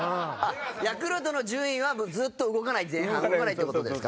ヤクルトの順位はずっと動かない前半動かないって事ですか？